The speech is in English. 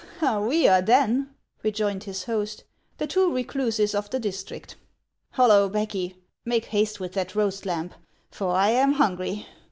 " We are, then," rejoined his host, " the two recluses of the district — Hollo, Becky, make haste with that roast lamb, for I am hungry.